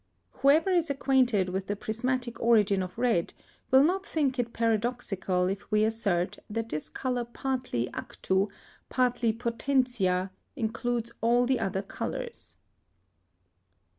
Whoever is acquainted with the prismatic origin of red, will not think it paradoxical if we assert that this colour partly actu, partly potentiâ, includes all the other colours.